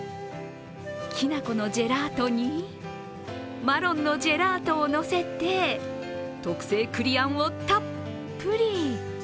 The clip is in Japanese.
きなこのジェラートにマロンのジェラートをのせて特製栗あんをたっぷり。